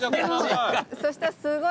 そしたらすっごい